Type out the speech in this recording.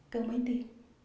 kêu mấy tiếng